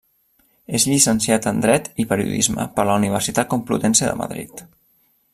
És llicenciat en dret i periodisme per la Universitat Complutense de Madrid.